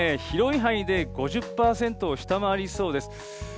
広い範囲で５０％を下回りそうです。